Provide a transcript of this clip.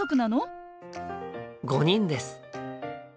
５人です。